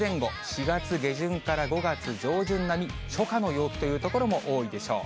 ４月下旬から５月上旬並み初夏の陽気という所も多いでしょう。